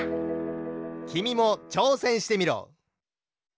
きみもちょうせんしてみろ。